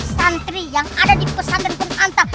santri yang ada di pesan dan penantang